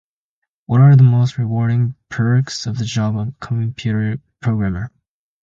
What are the most rewarding perks of the job of a computer programmer?